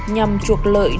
nhằm chuộc lợi đối với